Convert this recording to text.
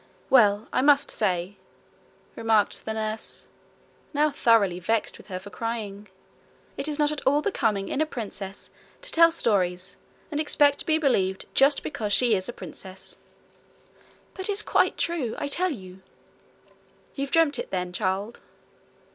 'Well, I must say,' remarked the nurse, now thoroughly vexed with her for crying, 'it is not at all becoming in a princess to tell stories and expect to be believed just because she is a princess.' 'But it's quite true, I tell you.' 'You've dreamt it, then, child.'